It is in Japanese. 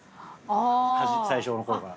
最初のころから。